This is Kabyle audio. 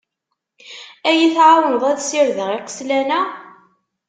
Ad yi-tεawneḍ ad ssirdeɣ iqeslan-a?